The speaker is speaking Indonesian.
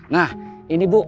nah ini bu